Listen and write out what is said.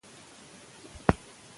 که ماشوم ښه چلند ونه کړي، لارښود ورکړئ.